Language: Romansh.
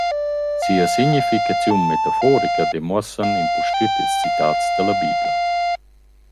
Sia significaziun metaforica demuossan impustüt ils citats da la Bibla.